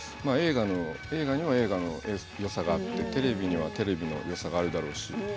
映画には映画のよさがあってテレビにはテレビのよさがあるだろうし。